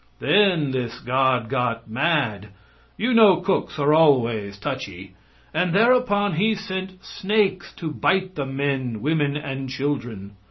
Then this God got mad you know cooks are always touchy and thereupon He sent snakes to bite the men, women and children.